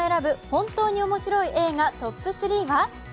本当に面白い映画トップ３は？